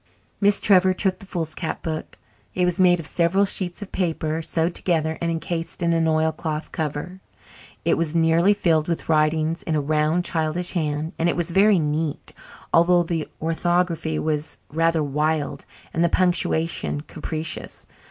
Miss Trevor took the foolscap book. It was made of several sheets of paper sewed together and encased in an oilcloth cover. It was nearly filled with writing in a round childish hand and it was very neat, although the orthography was rather wild and the punctuation capricious.